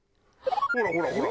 ほらほらほら！